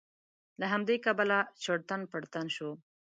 له همدې کبله چړتن پړتن شو.